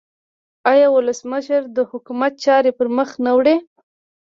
آیا ولسمشر د حکومت چارې پرمخ نه وړي؟